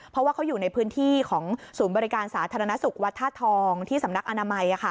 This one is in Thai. เพราะว่าเขาอยู่ในพื้นที่ของศูนย์บริการสาธารณสุขวัดธาตุทองที่สำนักอนามัย